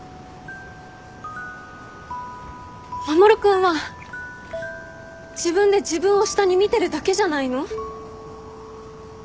守君は自分で自分を下に見てるだけじゃないの？